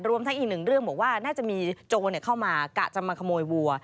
ทั้งอีกหนึ่งเรื่องบอกว่าน่าจะมีโจรเข้ามากะจะมาขโมยวัว